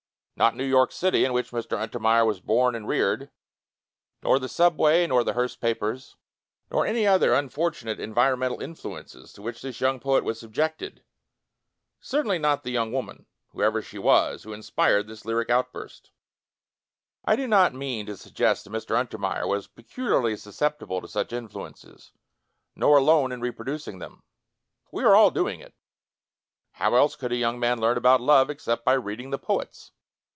Not New York City, in which Mr. Untermeyer was born and reared, nor the subway, nor the Hearst pa pers, nor any other unfortunate en THE BALTIMORE ANTI CHRIST 79 vironmental influences to which this young poet was subjected — certainly not the young woman, whoever she was, who inspired this lyric outburst. I do not mean to suggest that Mr. Untermeyer was peculiarly susceptible to such influences, nor alone in repro ducing them. We were all doing it. How else could a young man learn about love, except by reading the poets?